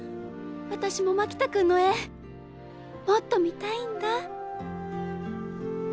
私も牧田君の絵もっと見たいんだ。